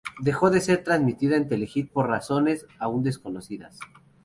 Dejó de ser transmitida en Telehit por razones aún desconocidas.